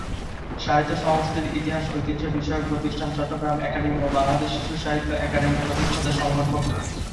সাহিত্য সংস্কৃতি ইতিহাস ঐতিহ্য বিষয়ক প্রতিষ্ঠান চট্টগ্রাম একাডেমি ও বাংলাদেশ শিশুসাহিত্য একাডেমির প্রতিষ্ঠাতা সংগঠক।